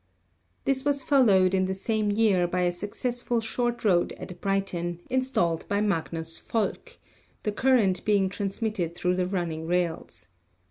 This was followed in the same year by a successful short road at Brighton, installed by Magnus Volk, the current being transmitted through the running rails.